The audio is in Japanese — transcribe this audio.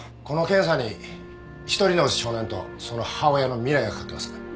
この検査に一人の少年とその母親の未来がかかってます。